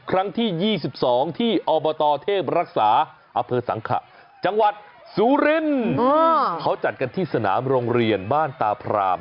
ครั้งที่๒๒ที่อบตเทพรักษาอเภอสังขะจังหวัดสุรินทร์เขาจัดกันที่สนามโรงเรียนบ้านตาพราม